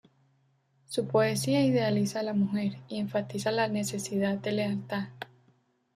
Su poesía idealiza a la mujer y enfatiza la necesidad de lealtad.